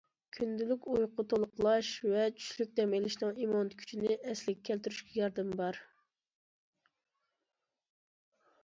كۈندۈزلۈك ئۇيقۇ تولۇقلاش ۋە چۈشلۈك دەم ئېلىشنىڭ ئىممۇنىتېت كۈچىنى ئەسلىگە كەلتۈرۈشكە ياردىمى بار.